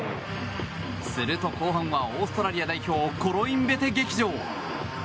すると後半はオーストラリア代表コロインベテ劇場。